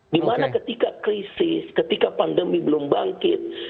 di mana ketika krisis ketika pandemi belum bangkit